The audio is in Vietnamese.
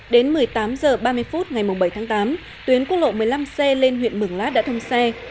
đến một mươi tám h ba mươi phút ngày bảy tháng tám tuyến quốc lộ một mươi năm c lên huyện mường lát đã thông xe